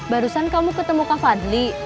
barusan kamu ketemu kak fadli